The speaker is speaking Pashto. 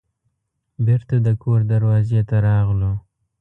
بیرته د کور دروازې ته راغلو.